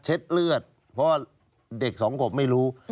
เลือดเพราะว่าเด็กสองขวบไม่รู้